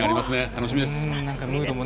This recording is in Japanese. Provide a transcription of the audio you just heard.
楽しみです。